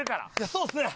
そうですね。